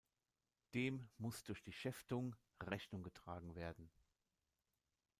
Dem muss durch die Schäftung Rechnung getragen werden.